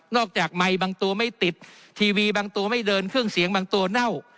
อกจากไมค์บางตัวไม่ติดทีวีบางตัวไม่เดินเครื่องเสียงบางตัวเน่า